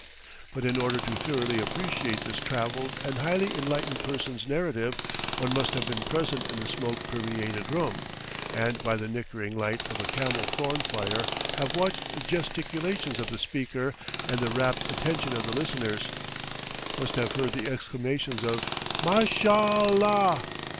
But in order to thoroughly appreciate this travelled and highly enlightened person's narrative, one must have been present in the smoke permeated room, and by the nickering light of a camel thorn fire have watched the gesticulations of the speaker and the rapt attention of the listeners; must have heard the exclamations of "Mashal l a h!"